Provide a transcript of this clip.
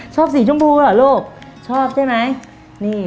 ชอบสีชมพูเหรอลูกชอบใช่ไหม